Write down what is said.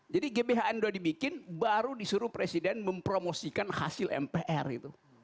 jadi gbhn udah dibikin baru disuruh presiden mempromosikan hasil mpr itu